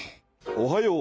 おはよう。